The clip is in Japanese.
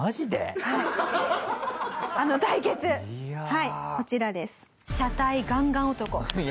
はいこちらです。